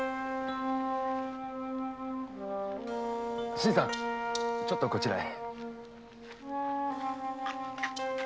新さんちょっとこちらへ。